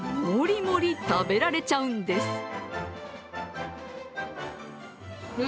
もりもり食べられちゃうんです。